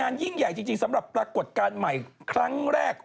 ยิ่งใหญ่จริงสำหรับปรากฏการณ์ใหม่ครั้งแรก